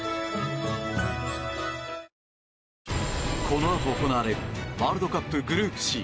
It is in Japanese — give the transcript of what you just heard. このあと行われるワールドカップ、グループＣ